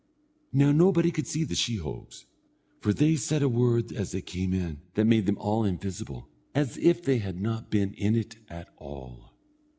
Now nobody could see the sheehogues, for they said a word as they came in, that made them all invisible, as if they had not been in it at all.